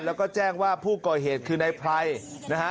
แล้วก็แจ้งว่าผู้ก่อเหตุคือนายไพรนะฮะ